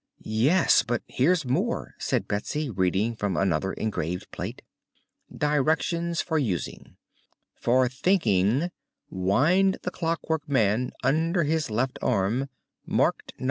"Yes; but here's more," said Betsy, reading from another engraved plate: DIRECTIONS FOR USING: For THINKING: Wind the Clockwork Man under his left arm, (marked No.